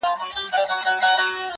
بیا به جهان راپسي ګورې نه به یمه-